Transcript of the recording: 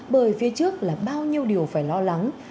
bởi phía trước là bao nhiêu điều phải lo lắng